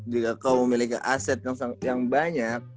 jika kau memiliki aset yang banyak